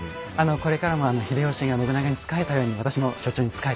これからも秀吉が信長に仕えたように私も所長に仕えて。